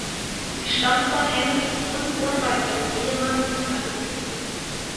Sie stamme von Henri und wohne bei ihrem Ehemann in Paris.